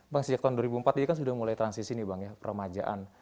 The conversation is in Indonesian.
bang sejak tahun dua ribu empat sudah mulai transisi nih bang ya permajaan